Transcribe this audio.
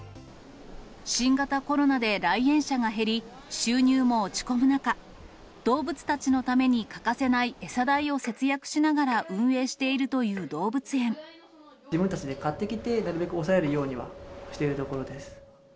新型コロナで来園者が減り、収入も落ち込む中、動物たちのために欠かせない餌代を節約しながら運営しているとい自分たちで刈ってきて、なるべく抑えるようにはしているところです。